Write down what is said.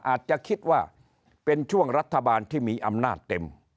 อาจจะคิดว่าเป็นช่วงรัฐบาลที่มีอำนาจเต็ม